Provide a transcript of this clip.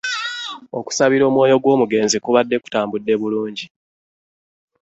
Okusabira omwoyo gw'omugenzi kubadde kutambudde bulungi